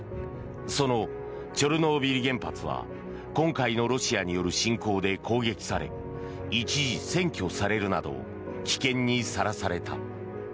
そのチョルノービリ原発は今回のロシアによる侵攻で攻撃され一時、占拠されるなど危険にさらされた。